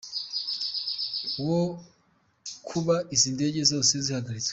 wo kuba izi ndege zose zihagaritswe